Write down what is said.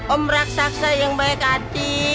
om raksasa yang baik hati